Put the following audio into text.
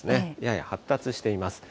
やや発達しています。